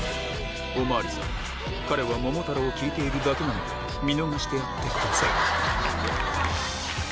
お巡りさん、彼は桃太郎を聴いているだけなので、見逃してやってください。